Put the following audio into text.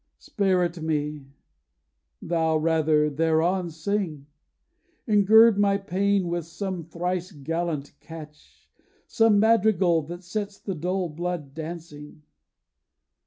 spare it me. Thou rather, Theron, sing! Engird my pain With some thrice gallant catch, some madrigal That sets the dull blood dancing.